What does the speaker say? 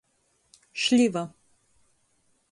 Šliva.